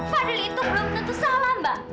padahal itu belum tentu salah mbak